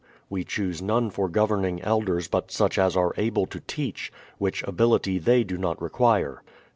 We choose none for governing elders but such as are able to teach ; which ability they do not require.